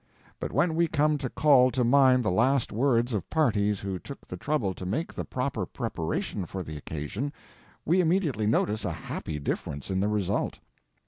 But when we come to call to mind the last words of parties who took the trouble to make the proper preparation for the occasion, we immediately notice a happy difference in the result.